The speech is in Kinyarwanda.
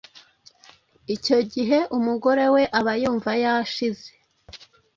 icyo gihe umugore we aba yumva yashize